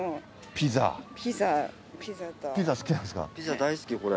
ピザ大好きこれ。